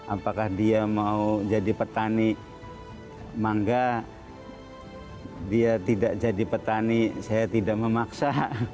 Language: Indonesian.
apakah dia mau jadi petani mangga dia tidak jadi petani saya tidak memaksa